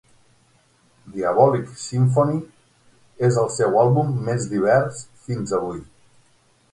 "Diabolic Symphony" és el seu àlbum més divers fins avui.